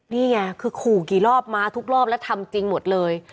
นี่ไงคือขู่กี่รอบมาทุกรอบแล้วทำจริงหมดเลย